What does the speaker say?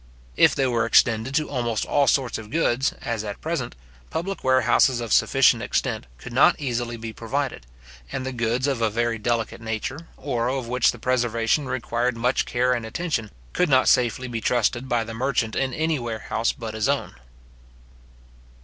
If they were extended to almost all sorts of goods, as at present, public warehouses of sufficient extent could not easily be provided; and goods of a very delicate nature, or of which the preservation required much care and attention, could not safely be trusted by the merchant in any warehouse but his own.